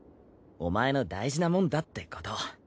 お前の大事なもんだってこと。